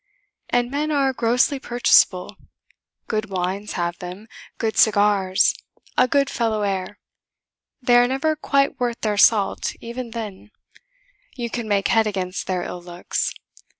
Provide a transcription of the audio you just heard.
And men are grossly purchasable; good wines have them, good cigars, a goodfellow air: they are never quite worth their salt even then; you can make head against their ill looks.